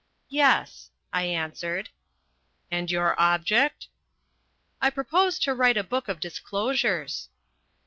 "Yes," I answered. "And your object?" "I propose to write a book of disclosures."